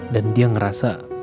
dan dia ngerasa